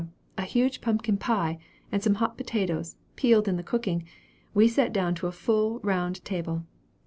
a huge pumpkin pie, and some hot potatoes, pealed in the cooking, we sat down to a full round table.